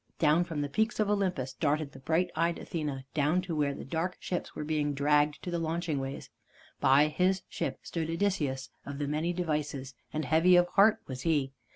Down from the peaks of Olympus darted the bright eyed Athene, clown to where the dark ships were being dragged to the launching ways. By his ship stood Odysseus of the many devices, and heavy of heart was he.